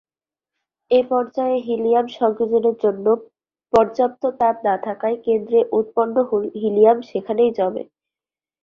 এই পর্যায়ে হিলিয়াম সংযোজনের জন্য পর্যাপ্ত তাপ না থাকায় কেন্দ্রে উৎপন্ন হিলিয়াম সেখানেই জমে।